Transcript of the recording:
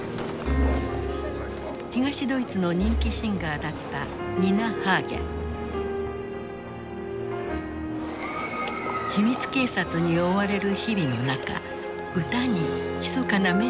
東ドイツの人気シンガーだった秘密警察に追われる日々の中歌にひそかなメッセージを込めた。